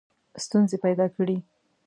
ستونزي پیدا کړي.